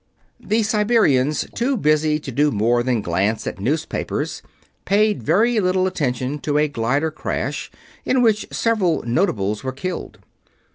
The Siberians, too busy to do more than glance at newspapers, paid very little attention to a glider crash in which several notables were killed.